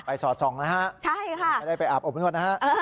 ไปสอดส่องนะฮะไม่ได้ไปอาบอุบนวดนะฮะ